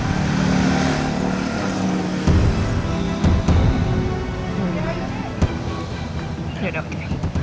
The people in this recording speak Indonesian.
udah udah oke